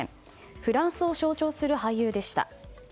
フランスを象徴する俳優でした。